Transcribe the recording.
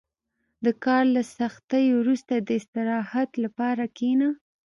• د کار له سختۍ وروسته، د استراحت لپاره کښېنه.